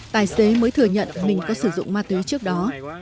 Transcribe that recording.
tài xế mới thừa nhận mình có sử dụng ma túy trước đó